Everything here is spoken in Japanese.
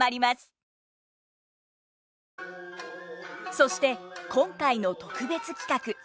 そして今回の特別企画。